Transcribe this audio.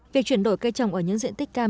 việc chuyển đổi cây trồng ở những diện tích cam